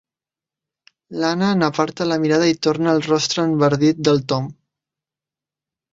L'Anna n'aparta la mirada i torna al rostre enverdit del Tom.